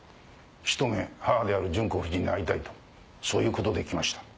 ひと目母である純子夫人に会いたいとそういうことで来ました。